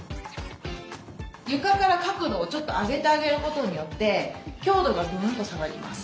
床から角度をちょっと上げてあげることによって強度がグーンと下がります。